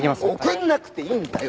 送らなくていいんだよ！